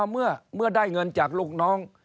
เมื่อได้เงินจากลูกน้อง